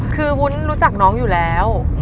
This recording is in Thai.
คือวุ้นรู้จักน้องอยู่แล้ว